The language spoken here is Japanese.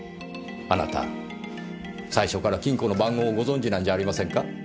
あなた最初から金庫の番号をご存じなんじゃありませんか？